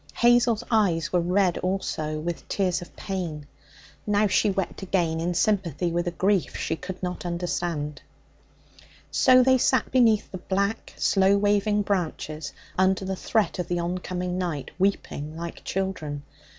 Hazel's eyes were red also, with tears of pain. Now she wept again in sympathy with a grief she could not understand. So they sat beneath the black, slow waving branches under the threat of the oncoming night, weeping like children.